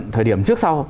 thời điểm trước sau